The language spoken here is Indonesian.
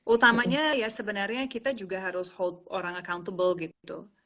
utamanya ya sebenarnya kita juga harus hold orang accountable gitu